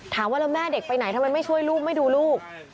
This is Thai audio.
ถามว่าแล้วแม่เด็กไปไหนทำไมไม่ช่วยลูกไม่ดูลูก